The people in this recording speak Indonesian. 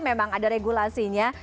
memang ada regulasinya